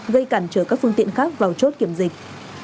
gây cản trở các phương tiện khác vào chốt kiểm dịch